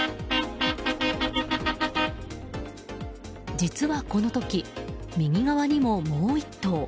実はこの時、右側にももう１頭。